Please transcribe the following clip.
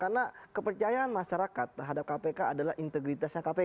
karena kepercayaan masyarakat terhadap kpk adalah integritasnya kpk